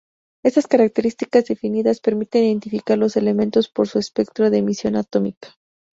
Estas características definidas permiten identificar los elementos por su espectro de emisión atómica.